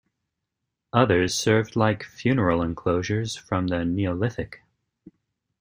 Others served like funeral enclosures from the Neolithic.